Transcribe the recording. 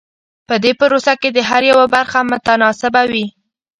په دې پروسه کې د هر یوه برخه متناسبه وي.